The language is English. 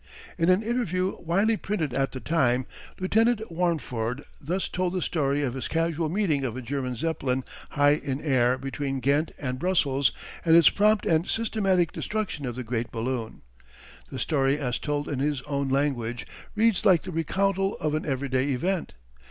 In an interview widely printed at the time, Lieutenant Warneford thus told the story of his casual meeting of a German Zeppelin high in air between Ghent and Brussels and his prompt and systematic destruction of the great balloon. The story as told in his own language reads like the recountal of an everyday event.